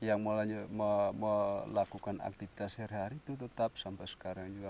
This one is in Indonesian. yang melakukan aktivitas sehari hari itu tetap sampai sekarang juga